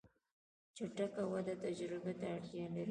چټک وده تجربه ته اړتیا لري.